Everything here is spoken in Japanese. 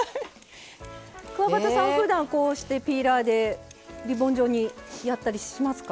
くわばたさんふだんこうしてピーラーでリボン状にやったりしますか？